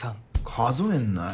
数えんなよ。